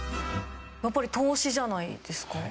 やっぱり投資じゃないですか？